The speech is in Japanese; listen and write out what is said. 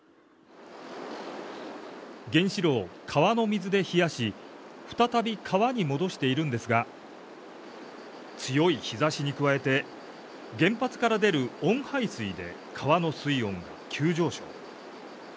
原子炉を川の水で冷やし再び川に戻しているんですが強い日ざしに加えて原発から出る温排水で川の水温が急上昇。